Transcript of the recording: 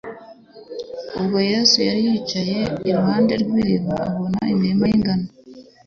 Ubwo Yesu yari acyicaye iruhande rw’iriba, abona imirima y’ingano